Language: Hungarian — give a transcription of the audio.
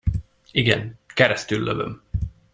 Igen, keresztüllövöm!